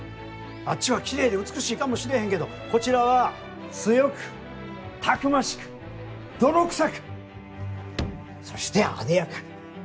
あっちはきれいで美しいかもしれへんけどこちらは「強く逞しく泥臭く」そして「艶やかに」。